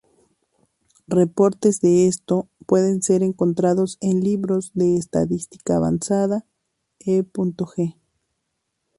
Reportes de esto pueden ser encontrados en libros de estadística avanzada, e.g.